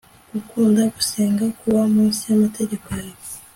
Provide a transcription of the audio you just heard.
kugukunda, kugusenga, kubaho munsi y'amategeko yawe